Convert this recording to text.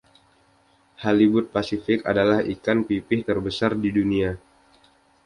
Halibut Pasifik adalah ikan pipih terbesar di dunia.